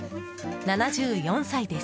７４歳です。